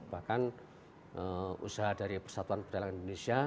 bahkan usaha dari persatuan perdagangan indonesia